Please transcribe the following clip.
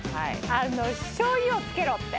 しょうゆをつけろって。